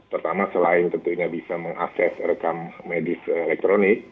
pertama selain tentunya bisa meng access rekam medis elektronik